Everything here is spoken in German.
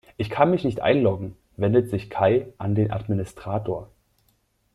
Ich kann mich nicht einloggen, wendet sich Kai an den Administrator.